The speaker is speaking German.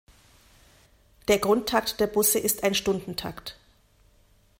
Der Grundtakt der Busse ist ein Stundentakt.